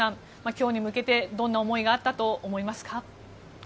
今日に向けてどんな思いがあったと思いますか？